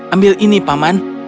ambil ini paman